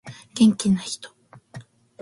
元気な人